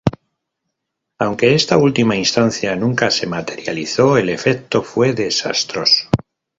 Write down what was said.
Aunque esta última instancia nunca se materializó el efecto fue "desastroso".